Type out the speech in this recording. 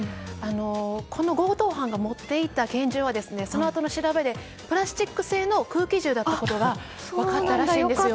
この強盗犯が持っていた拳銃はそのあとの調べでプラスチック製の空気銃だったことが分かったらしいんですよ。